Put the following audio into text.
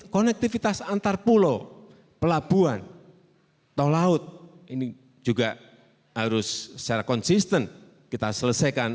konektivitas antar pulau pelabuhan tol laut ini juga harus secara konsisten kita selesaikan